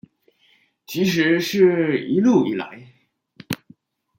其實是一路以來